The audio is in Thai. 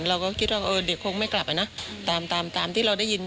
เราก็คิดว่าเด็กคงไม่กลับอ่ะนะตามตามที่เราได้ยิน